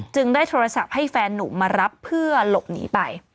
ได้โทรศัพท์ให้แฟนนุ่มมารับเพื่อหลบหนีไป